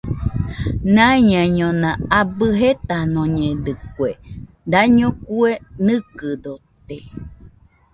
Naiñaiñona abɨ jetanoñedɨkue, daño kue nɨkɨdote